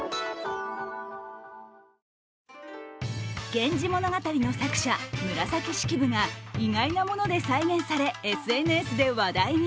「源氏物語」の作者・紫式部が意外なもので再現され、ＳＮＳで話題に。